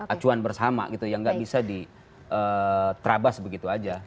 acuan bersama gitu yang nggak bisa diterabas begitu aja